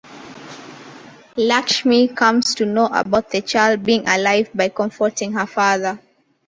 Lakshmi comes to know about the child being alive by confronting her father.